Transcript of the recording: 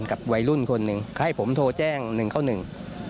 กับวัยรุ่นคนหนึ่งให้ผมโทรแจ้งหนึ่งเข้าหนึ่ง